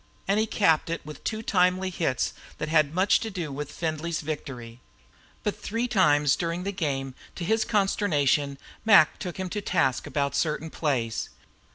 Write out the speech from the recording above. And he capped it with two timely hits that had much to do with Findlay's victory. But three times during the game, to his consternation, Mac took him to task about certain plays.